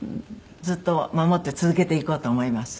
ずっと守って続けていこうと思います。